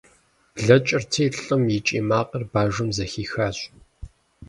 Блэкӏырти, лӏым и кӏий макъыр бажэм зэхихащ.